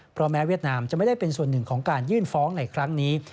เพราะแม้เวียดนามจะไม่ได้เป็นส่วนหนึ่งของการยื่นฟ้องในครั้งนี้